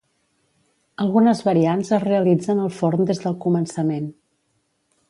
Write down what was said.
Algunes variants es realitzen al forn des del començament.